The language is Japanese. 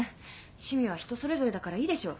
趣味は人それぞれだからいいでしょう。